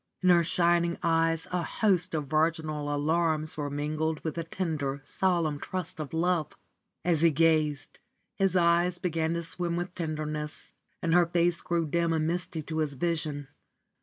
In her shining eyes a host of virginal alarms were mingled with the tender, solemn trust of love. As he gazed, his eyes began to swim with tenderness, and her face grew dim and misty to his vision.